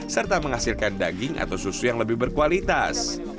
serta menghasilkan daging atau susu yang lebih berkualitas